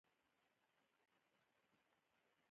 افغانستان د لويو سلطنتونو کوربه و.